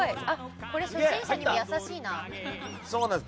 これ、初心者にも優しいな。